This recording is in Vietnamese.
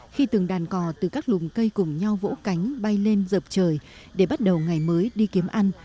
khi từng đàn cò từ các lùm cây cùng nhau vỗ cánh bay lên dợp trời để bắt đầu ngày mới đi kiếm ăn